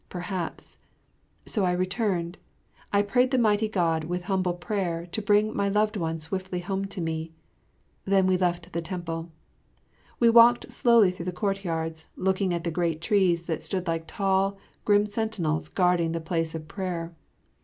Perhaps " So I returned. I prayed the mighty God with humble prayer to bring my loved one swiftly home to me; and then we left the temple. We walked slowly through the courtyards, looking at the great trees that stood like tall, grim sentinels guarding the place of prayer.